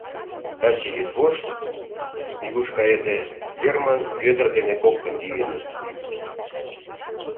Таче йӱдвошт, нигуш кайыде, Герман Вӧдыр дене коктын йӱыныт.